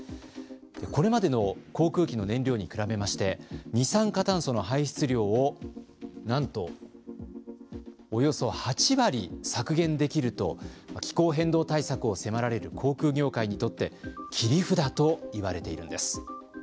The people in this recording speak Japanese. これまでの航空機の燃料に比べまして二酸化炭素の排出量をなんとおよそ８割削減できると気候変動対策を迫られる航空業界にとって切り札といわれているんです。